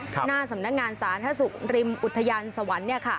หน้าสำนักงานสาธารณสุขริมอุทยานสวรรค์